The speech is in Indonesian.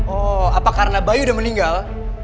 oh apa karena bayi udah meninggal